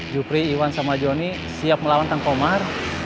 jupri iwan sama jonny siap melawan tentang komar